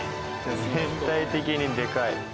全体的にでかい。